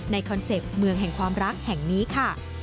คอนเซ็ปต์เมืองแห่งความรักแห่งนี้ค่ะ